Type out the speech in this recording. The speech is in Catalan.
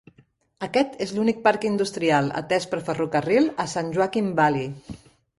Aquest és l'únic parc industrial atès per ferrocarril a San Joaquin Valley.